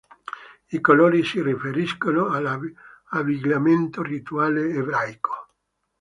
I colori si riferiscono all’abbigliamento rituale ebraico.